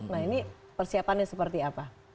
nah ini persiapannya seperti apa